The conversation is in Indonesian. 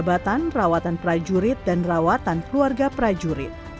jabatan rawatan prajurit dan rawatan keluarga prajurit